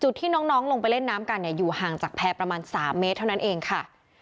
ที่น้องลงไปเล่นน้ำกันเนี่ยอยู่ห่างจากแพร่ประมาณ๓เมตรเท่านั้นเองค่ะ